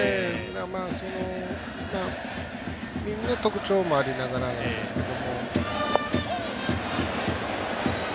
みんな特徴もありながらなんですけど。